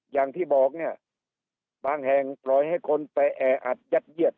อย่างที่บอกเนี่ยบางแห่งปล่อยให้คนไปแออัดยัดเยียด